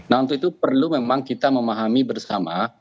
nah untuk itu perlu memang kita memahami bersama